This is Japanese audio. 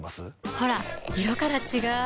ほら色から違う！